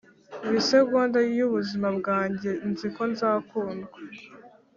buri segonda yubuzima bwanjye nzi ko nzakundwa,